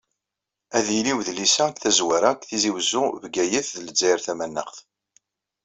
Ad yili udlis-a deg tazwara deg Tizi Uzzu, Bgayet d Lezzayer Tamanaɣt.